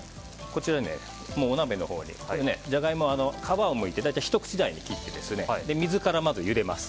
もうお鍋のほうにジャガイモは皮をむいて大体ひと口大に切って水から、まずゆでます。